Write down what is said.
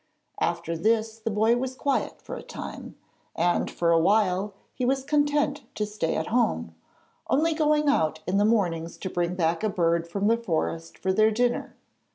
After this the boy was quiet for a time, and for a while he was content to stay at home, only going out in the mornings to bring back a bird from the forest for their dinner.